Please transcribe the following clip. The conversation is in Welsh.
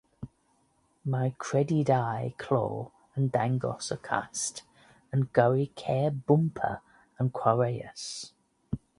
Mae'r credydau clo yn dangos y cast yn gyrru ceir bymper yn chwareus.